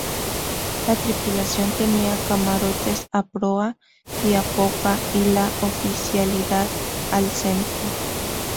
La tripulación tenía camarotes a proa y a popa y la oficialidad al centro.